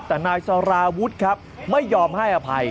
แต่นายสาราวุฒิครับไม่ยอมให้อภัย